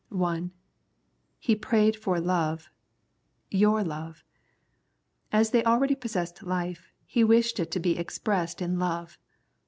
(i) He prayed for love ;" your love." As they already possessed life, he wished it to be expressed in love.